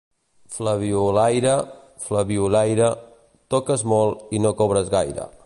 Flabiolaire, flabiolaire, toques molt i no cobres gaire.